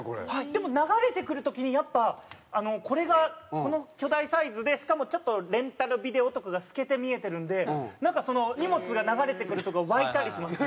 でも流れてくる時にやっぱこれがこの巨大サイズでしかもちょっと「レンタルビデオ」とかが透けて見えてるんでなんか荷物が流れてくる所が沸いたりします。